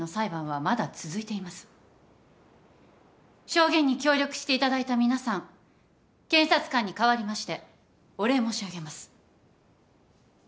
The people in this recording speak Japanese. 証言に協力していただいた皆さん検察官に代わりましてお礼申し上げます。